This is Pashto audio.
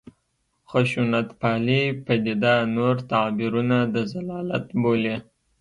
خشونتپالې پدیده نور تعبیرونه د ضلالت بولي.